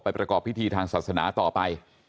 ประกอบพิธีทางศาสนาต่อไป